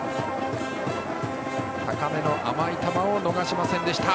高めの甘い球を逃しませんでした。